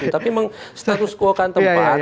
tapi mengstatuskuakan tempat